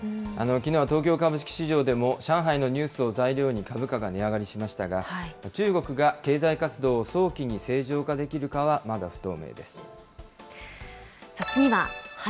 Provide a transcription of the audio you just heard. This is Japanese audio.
きのうは東京株式市場でも上海のニュースを材料に株価が値上がりしましたが、中国が経済活動を早期に正常化できるかは、まだ不透明です。